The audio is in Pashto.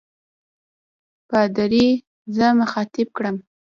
پادري زه مخاطب کړم.